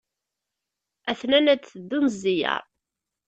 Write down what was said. A-ten-an ad d-teddun zziyaṛ.